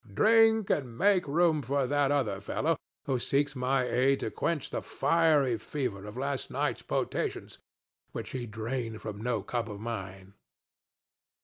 Drink and make room for that other fellow, who seeks my aid to quench the fiery fever of last night's potations, which he drained from no cup of mine.